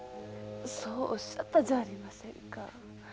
そうおっしゃったじゃありませんか。